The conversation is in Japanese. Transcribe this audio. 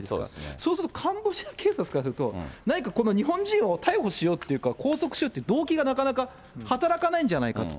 そうすると、カンボジア警察からすると、何か日本人を逮捕しようっていうか、拘束するって動機がなかなか働かないんじゃないかと。